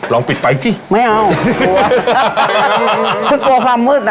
ลองปิดไฟสิไม่เอาคือกลัวความมืดอ่ะ